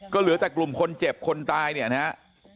ก็เหลือแต่กลุ่มคนเจ็บคนตายเนี่ยนะฮะ